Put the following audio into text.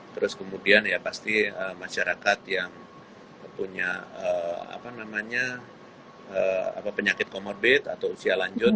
terus kemudian ya pasti masyarakat yang punya apa namanya penyakit comorbid atau usia lanjut